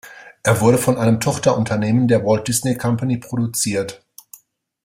Er wurde von einem Tochterunternehmen der Walt Disney Company produziert.